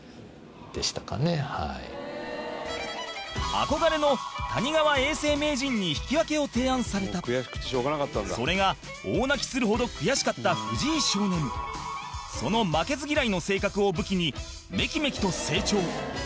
憧れの谷川永世名人に引き分けを提案されたそれが、大泣きするほど悔しかった藤井少年その負けず嫌いの性格を武器にメキメキと成長